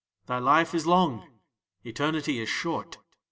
"Thy life is long, Eternity is short.